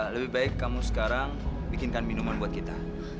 lebih baik kamu sekarang bikinkan minuman buat kita